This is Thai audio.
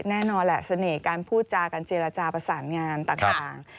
แน่นอนแหละเสน่ห์การพูดจากันเจรจาประสานงานต่าง